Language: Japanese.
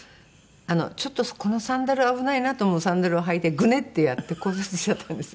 ちょっとこのサンダル危ないなと思うサンダルをはいてグネってやって骨折しちゃったんですよ。